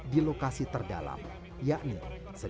di lokasi terdalam yakni seribu tujuh ratus enam puluh meter